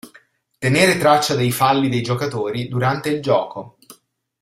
Tenere traccia dei falli dei giocatori durante il gioco.